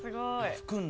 吹くんだ。